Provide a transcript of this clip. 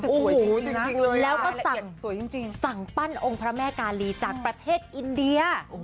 โอ้โหแล้วก็สั่งปั้นองค์พระแม่กาลีจากประเทศอินเดีย